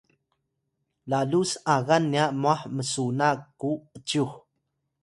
lalu s’agan nya mwah msuna ku ’cyux?